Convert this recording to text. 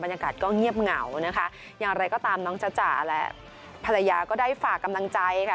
ยากาศก็เงียบเหงานะคะอย่างไรก็ตามน้องจ้าจ๋าและภรรยาก็ได้ฝากกำลังใจค่ะ